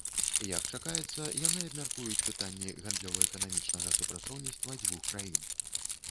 Як чакаецца, яны абмяркуюць пытанні гандлёва-эканамічнага супрацоўніцтва дзвюх краін.